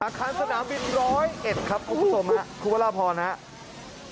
อาคารสนามบินร้อยเอ็ดครับคุณผู้ชมฮะคุณพระราพรนะครับ